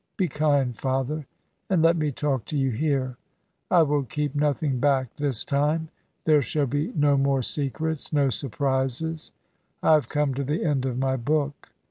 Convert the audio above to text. Be kind, Father, and let me talk to you here. I will keep nothing back this time. There shall be no more secrets no surprises. I have come to the end of my book.